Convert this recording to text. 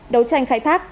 đấu tranh khai thác